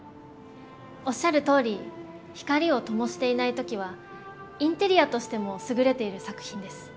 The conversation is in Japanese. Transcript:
おっしゃるとおり光を灯していない時はインテリアとしても優れている作品です。